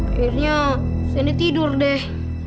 akhirnya sandy tidur deh